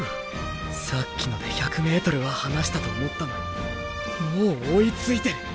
さっきので１００ｍは離したと思ったのにもう追いついてる！！